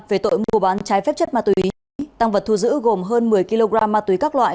về tội mua bán trái phép chất ma túy tăng vật thu giữ gồm hơn một mươi kg ma túy các loại